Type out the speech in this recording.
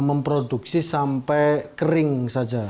mereka produksi sampai kering saja